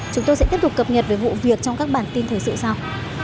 chúng tôi sẽ tiếp tục cập nhật về vụ việc trong các bản tin thời sự sau